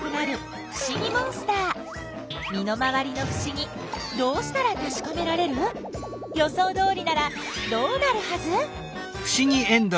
身の回りのふしぎどうしたらたしかめられる？予想どおりならどうなるはず？